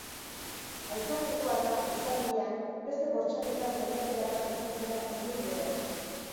Aipatzekoa da urtarrilean beste bortxaketa saiakera bat izan zela inguru berean.